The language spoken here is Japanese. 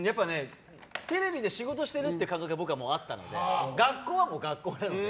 テレビで仕事してる感覚が僕はあったので学校は学校なので。